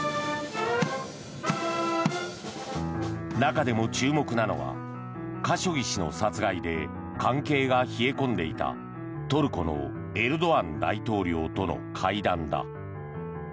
中でも注目なのはカショギ氏の殺害で関係が冷え込んでいたトルコのエルドアン大統領との会談だ。